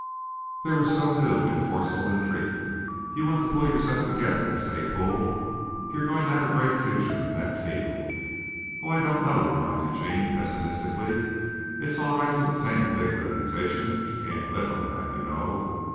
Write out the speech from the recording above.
They were so new and forceful in treatment. You want to pull yourself together and stay pulled. You're going to have a great future in that field." "Oh, I don't know," replied Eugene pessimistically. "It's all right to obtain a big reputation, but you can't live on that, you know.